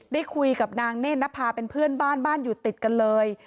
ได้คุยกับนางเนธนภาเป็นเพื่อนบ้านบ้านอยู่ติดกันเลย